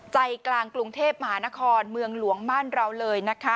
ใจกลางกรุงเทพมหานครเมืองหลวงบ้านเราเลยนะคะ